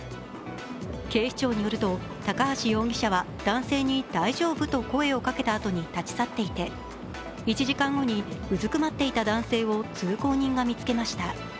警視庁によると、高橋容疑者は男性に大丈夫？と声をかけたあとに立ち去っていて、１時間後にうずくまっていた男性を通行人が見つけました。